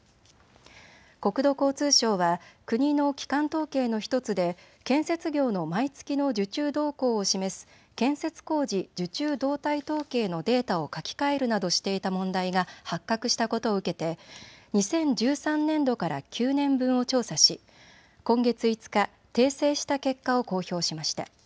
国土交通省は国の基幹統計の１つで建設業の毎月の受注動向を示す、建設工事受注動態統計のデータを書き換えるなどしていた問題が発覚したことを受けて２０１３年度から９年分を調査し今月５日、訂正した結果を公表しました。